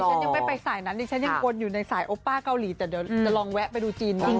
ฉันยังไม่ไปสายนั้นดิฉันยังวนอยู่ในสายโอป้าเกาหลีแต่เดี๋ยวจะลองแวะไปดูจีนบ้าง